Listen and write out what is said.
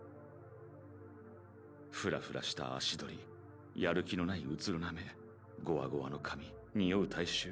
ふらふらした足取りやる気のないうつろな目ゴワゴワの髪におう体臭。